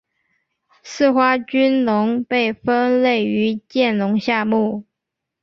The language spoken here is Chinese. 似花君龙被分类于剑龙下目。